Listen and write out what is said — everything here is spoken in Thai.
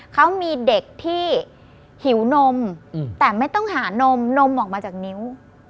เขามีเด็กที่หิวนมแต่ไม่ต้องหานมนมออกมาจากนิ้ว